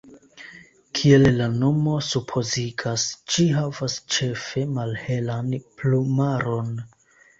Kiel la nomo supozigas, ĝi havas ĉefe malhelan plumaron.